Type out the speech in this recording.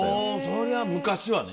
そりゃ昔はね